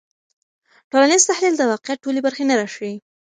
ټولنیز تحلیل د واقعیت ټولې برخې نه راښيي.